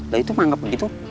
dari itu menganggap begitu